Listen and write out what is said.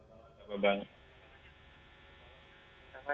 terima kasih banyak pak pandu